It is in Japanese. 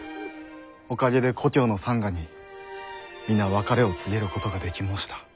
おかげで故郷の山河に皆別れを告げることができ申した。